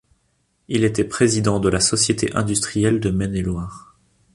Il était président de la Société industrielle de Maine-et-Loire.